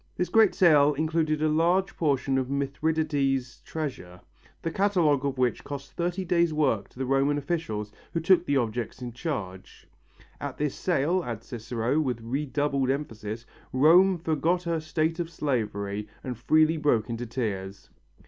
This great sale included a large portion of Mithradates' treasure, the catalogue of which cost thirty days' work to the Roman officials who took the objects in charge. "At this sale," adds Cicero with redoubled emphasis, "Rome forgot her state of slavery and freely broke into tears."